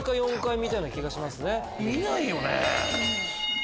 見ないよね。